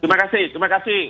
terima kasih terima kasih